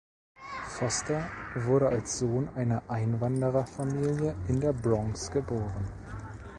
Foster wurde als Sohn einer Einwandererfamilie in der Bronx geboren.